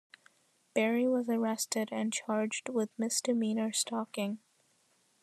Barry was arrested and charged with "misdemeanor stalking".